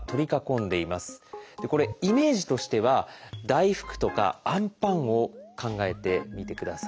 これイメージとしては大福とかあんパンを考えてみてください。